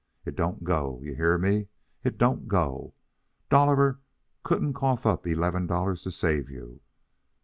It don't go. You hear me, it don't go. Dolliver couldn't cough up eleven dollars to save you.